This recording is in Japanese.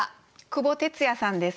久保哲也さんです。